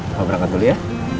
papa berangkat dulu ya